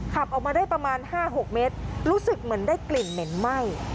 ขับออกมาได้ประมาณ๕๖เมตรรู้สึกเหมือนได้กลิ่นเหม็นไหม้